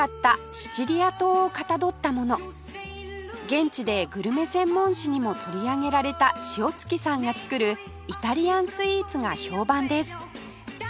現地でグルメ専門誌にも取り上げられた塩月さんが作るイタリアンスイーツが評判です